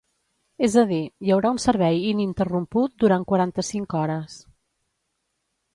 És a dir, hi haurà un servei ininterromput durant quaranta-cinc hores.